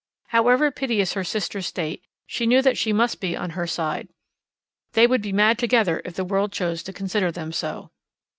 However piteous her sister's state, she knew that she must be on her side. They would be mad together if the world chose to consider them so.